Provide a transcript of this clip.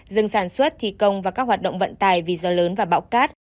dừng sản xuất thi công và các hoạt động vận tài vì gió lớn và bão cát